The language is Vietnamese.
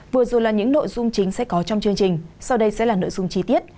vừa rồi là những nội dung chính sẽ có trong chương trình sau đây sẽ là nội dung chi tiết